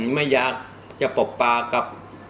ไม่อยากจะปบปากกับ